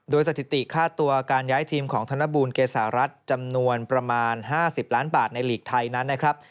สถิติค่าตัวการย้ายทีมของธนบูลเกษารัฐจำนวนประมาณ๕๐ล้านบาทในหลีกไทยนั้นนะครับ